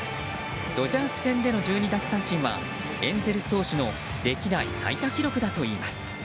ドジャース戦での１２奪三振はエンゼルス投手の歴代最多記録だといいます。